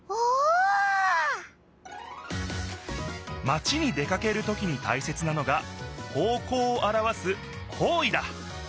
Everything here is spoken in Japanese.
マチに出かけるときにたいせつなのが方向をあらわす「方位」だ！